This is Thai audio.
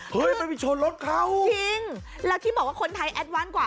เฮ้ยมันไปชนรถเขาจริงแล้วที่บอกว่าคนไทยแอดวานกว่า